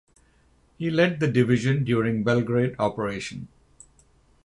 He led the division during Belgrade Operation.